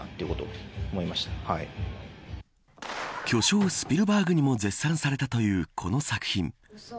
巨匠スピルバーグにも絶賛されたというこの作品。